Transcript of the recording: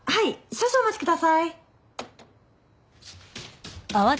少々お待ちください。